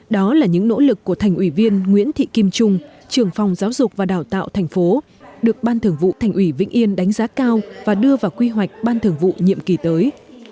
đó là những nỗ lực của thành ủy viên nguyễn thị kim trung trường phòng giáo dục và đào tạo thành phố được ban thưởng vụ thành ủy vĩnh yên đánh giá cao và đưa vào quy hoạch ban thường vụ nhiệm kỳ tới